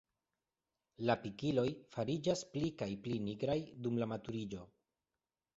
La pikiloj fariĝas pli kaj pli nigraj dum la maturiĝo.